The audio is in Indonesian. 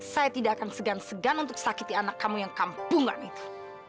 saya tidak akan segan segan untuk sakiti anak kamu yang kampungan itu